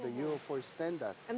dan ini semua bisa dikurangkan bukan